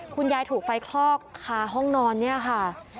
คุณยายถูกไฟคลอกคาห้องนอนเนี่ยค่ะ